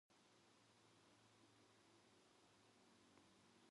전 같으면 한두어 잔 술을 마셨으면 좋을 춘우는 오늘 와서는 염두에 두지도 아니하였다.